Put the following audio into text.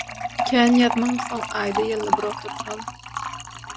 Kän ýazmamsoň, aýda-ýylda bir otursam